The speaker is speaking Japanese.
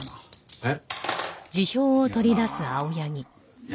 えっ？